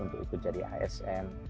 untuk ikut jadi asn